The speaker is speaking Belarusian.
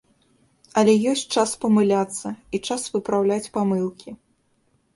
Але ёсць час памыляцца, і час выпраўляць памылкі.